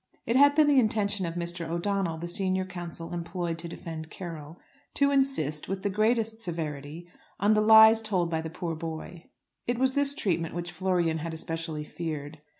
It had been the intention of Mr. O'Donnell, the senior counsel employed to defend Carroll, to insist, with the greatest severity, on the lies told by the poor boy. It was this treatment which Florian had especially feared.